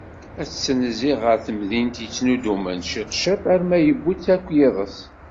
Ad tettnezzih ɣer temdint yettnuddumen ciṭ ciṭ arma yiwi-tt akk yiḍes.